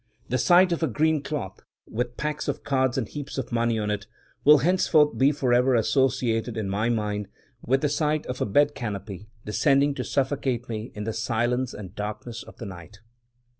The sight of a green cloth, with packs of cards and heaps of money on it, will henceforth be forever associated in my mind with the sight of a bed More Stories by Wilkie Collins canopy descending to suffocate me in the silence and darkness of the night.